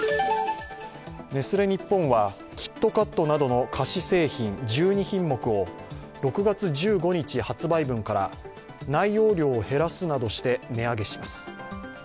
ネスレ日本はキットカットなどの菓子製品１２品目を６月１５日発売分から内容量を減らすなどして値上げします。